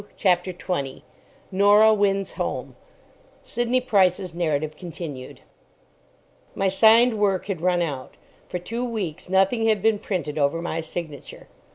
CHAPTER 20 NORAH WINS HOME (Sidney Price's narrative continued) My signed work had run out. For two weeks nothing had been printed over my signature.